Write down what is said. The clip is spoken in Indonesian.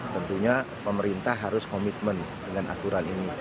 tentunya pemerintah harus komitmen dengan aturan ini